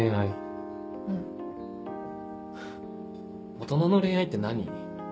大人の恋愛って何？